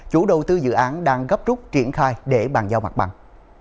chủ đầu tư dự án đang gấp rút triển khai để bàn giao mặt bằng